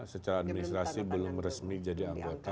secara administrasi belum resmi jadi anggota